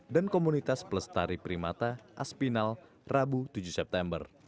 dan komunitas pelestari primata aspinal rabu tujuh september